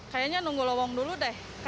kayaknya nunggu lowong dulu deh